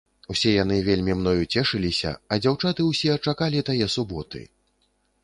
Усе яны вельмі мною цешыліся, а дзяўчаты ўсе чакалі тое суботы.